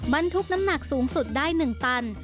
บรรทุกน้ำหนักสูงสุดได้๑ตัน